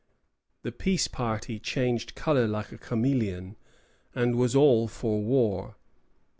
The peace party changed color like a chameleon, and was all for war.